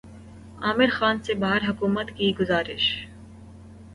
عامر خان سے بہار حکومت کی گزارش